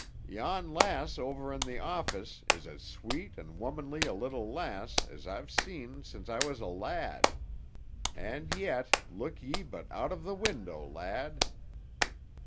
"Yon lass over in the office is as sweet and womanly a little lass as I've seen sin' I was a lad. And yet—look ye but out of the window, lad!"